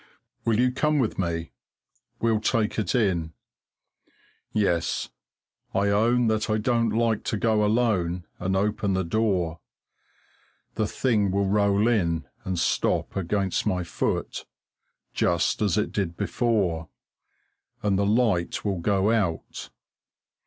Will you come with me? We'll take it in. Yes, I own that I don't like to go alone and open the door. The thing will roll in and stop against my foot, just as it did before, and the light will go out.